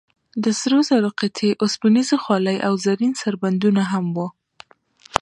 د سرو زرو قطعې، اوسپنیزې خولۍ او زرین سربندونه هم و.